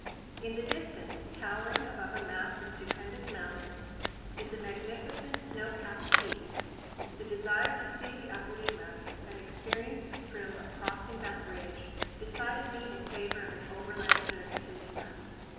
In the distance, towering above a mass of stupendous mountains, is a magnificent snow capped peak. The desire to see the Apurimac and experience the thrill of crossing that bridge decided me in favor of an overland journey to Lima.